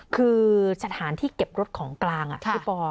คือสถานที่เก็บรถของกลางพี่ปอ